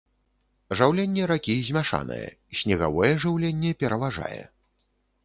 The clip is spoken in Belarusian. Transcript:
Жыўленне ракі змяшанае, снегавое жыўленне пераважае.